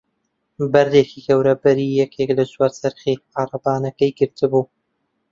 بەردێکی گەورە بەری یەکێک لە چوار چەرخی عەرەبانەکەی گرتبوو.